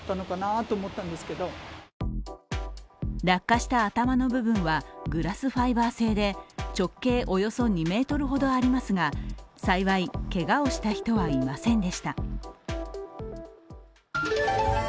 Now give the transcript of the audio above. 落下した頭の部分はグラスファイバー製で、直径およそ２ｍほどありますが、幸いけがをした人はいませんでした。